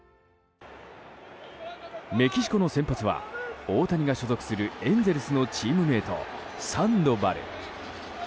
メキシコの先発は大谷が所属するエンゼルスのチームメートサンドバル。